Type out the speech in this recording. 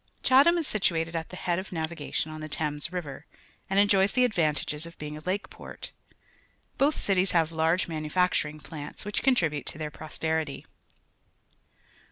Chatham is situated at the head of navigation on the Thames River, and enjoys the advantages of beuig a lake port, ^oth cities have large manufacturing plants which contribute to their prosperity.